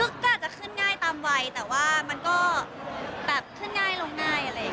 ก็อาจจะขึ้นง่ายตามวัย